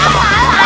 sampai jumpa lagi